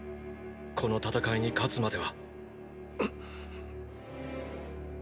この戦いに勝つまでは。